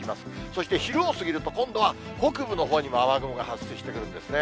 そして昼を過ぎると、今度は北部のほうにも雨雲が発生してくるんですね。